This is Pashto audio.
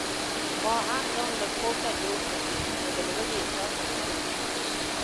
ما هم ځان لږ خوب ته جوړ کړ خو د لوږې احساس مې وکړ.